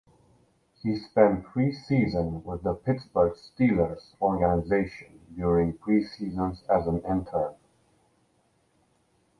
He spend three season with the Pittsburgh Steelers organization during preseasons as an intern.